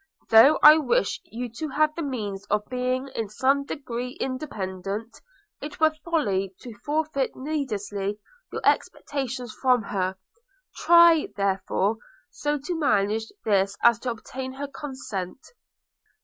Though I wish you to have the means of being in some degree independent, it were folly to forfeit needlessly your expectations from her. Try, therefore, so to manage this as to obtain her consent.'